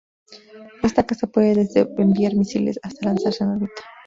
Esta casa puede desde enviar misiles hasta lanzarse en órbita.